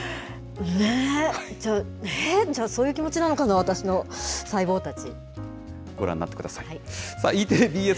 ねぇ、じゃあ、そういう気持ちなのかな、私の細胞たち。